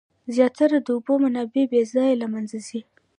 زیاتره د اوبو منابع بې ځایه له منځه ځي.